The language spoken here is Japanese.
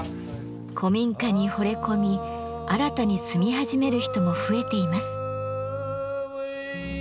古民家にほれ込み新たに住み始める人も増えています。